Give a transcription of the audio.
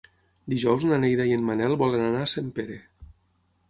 Dijous na Neida i en Manel volen anar a Sempere.